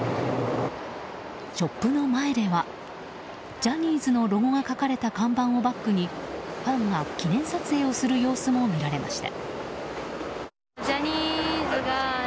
ショップの前ではジャニーズのロゴが書かれた看板をバックにファンが記念撮影をする様子も見られました。